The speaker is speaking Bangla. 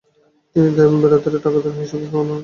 তিনি তোড়াভরতি টাকা দান হিসাবে প্রেরণ করেন।